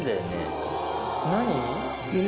何？